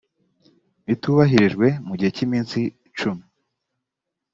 bitubahirijwe mu gihe cy iminsi cumi